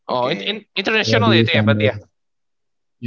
oh international ya itu ya berarti ya